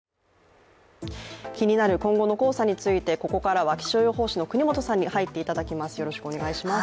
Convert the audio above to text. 気になる今後の黄砂についてここからは気象予報士の國本さんに入っていただきます。